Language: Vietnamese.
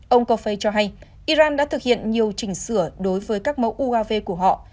ông cofei cho hay iran đã thực hiện nhiều chỉnh sửa đối với các mẫu uav của họ